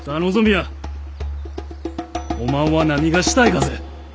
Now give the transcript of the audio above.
おまんは何がしたいがぜ？